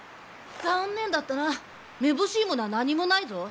残念だったなめぼしいものは何もないぞ。